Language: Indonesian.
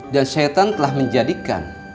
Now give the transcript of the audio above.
dan syaitan telah menjadikan